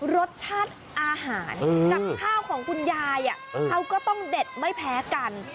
รสชาติอาหารกับข้าวของคุณยายเขาก็ต้องเด็ดไม่แพ้กัน